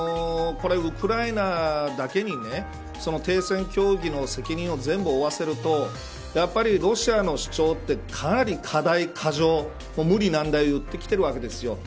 これ、ウクライナだけに停戦協議の責任を全部負わせるとやはり、ロシアの主張ってかなり過大、過剰無理難題を言ってきているわけです。